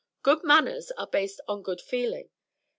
Good manners are based on good feeling.